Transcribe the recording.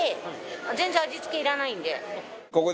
全然味付けいらないんで。